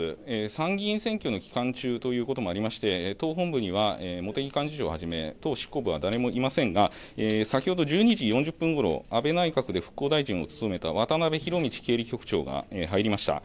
参議院選挙の期間中ということもありまして党本部には茂木幹事長をはじめ党執行部は誰もいませんが先ほど１２時４０分ごろ安倍内閣で復興大事を務めた渡辺博道経理局長が入りました。